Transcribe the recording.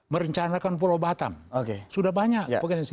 merencanakan pulau batam sudah banyak potensi